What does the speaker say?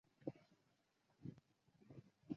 特工最终全部被处决。